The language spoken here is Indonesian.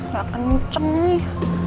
gak kenceng nih